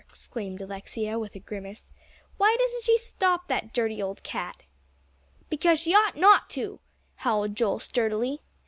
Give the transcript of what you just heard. exclaimed Alexia, with a grimace. "Why doesn't she drop that dirty old cat?" "Because she ought not to," howled Joel sturdily.